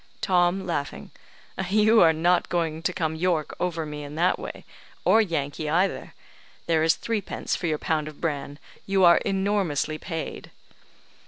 Tom: "You are not going to come York over me in that way, or Yankee either. There is threepence for your pound of bran; you are enormously paid."